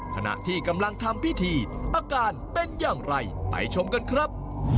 ขณะที่กำลังทำพิธีอาการเป็นอย่างไรไปชมกันครับ